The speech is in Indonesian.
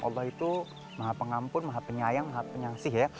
allah itu maha pengampun maha penyayang maha penyangsih ya